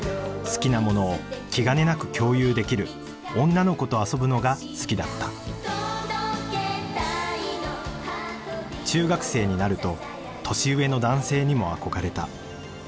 好きなものを気兼ねなく共有できる女の子と遊ぶのが好きだった中学生になると年上の男性にも憧れた。